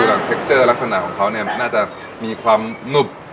ราศนาของเขานะจะมีความนุ่ม